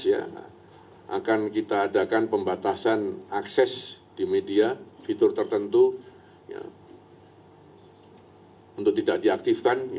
akan kita adakan pembatasan akses di media fitur tertentu untuk tidak diaktifkan